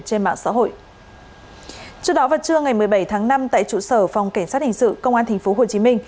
trước đó vào trưa ngày một mươi bảy tháng năm tại trụ sở phòng cảnh sát hình sự công an tp hcm